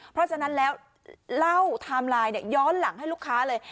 เพราะฉะนั้นแล้วเล่าไทม์ไลน์ย้อนหลังให้ลูกค้าเลย